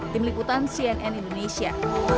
tim liputan cnn indonesia